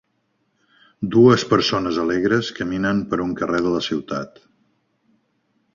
Dues persones alegres caminen per un carrer de la ciutat.